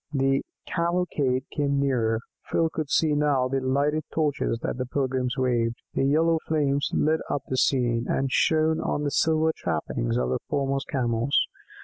The cavalcade came nearer. Phil could see now the lighted torches that the pilgrims waved; their yellow flames lit up the scene, and shone on the silver trappings of the foremost Camels.